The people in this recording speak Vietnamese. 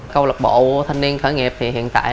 câu lạc bộ thanh niên khởi nghiệp thì hiện tại